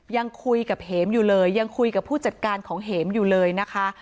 ยังคุยกับเห็มอยู่เลยยังคุยกับผู้จัดการของเห็มอยู่เลยนะคะ